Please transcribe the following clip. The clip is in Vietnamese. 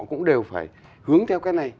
cũng đều phải hướng theo cái này